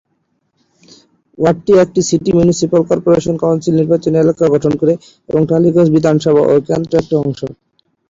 ওয়ার্ডটি একটি city municipal corporation council নির্বাচনী এলাকা গঠন করে এবং টালিগঞ্জ বিধানসভা কেন্দ্র এর একটি অংশ।